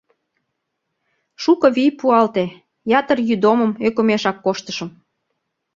Шуко вий пуалте, ятыр йӱдомым ӧкымешак коштышым...